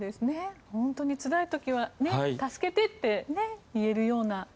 本当に、つらい時は助けてって言えるような。